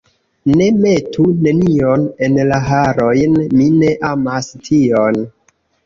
Ne, metu nenion en la harojn, mi ne amas tion.